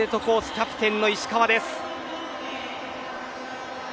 キャプテンの石川です。